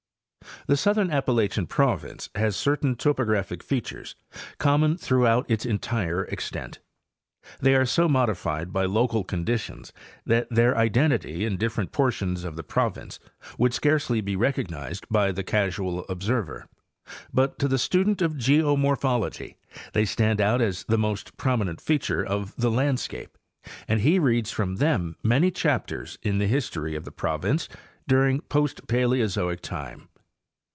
The southern Appalachian province has certain topographic features common throughout its entire extent. They are so modified by local conditions that their identity in different por _ tions of the province would scarcely be recognized by the casual | observer, but to the student of geomorphology they stand out as __ the most prominent feature of the landscape and he reads from them many chapters in the history of the province during post | Paleozoic time.